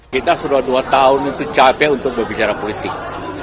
kita sudah dua tahun itu capek untuk berbicara politik